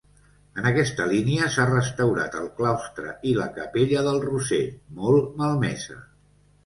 En aquesta línia s'ha restaurat el claustre i la capella del Roser, molt malmesa.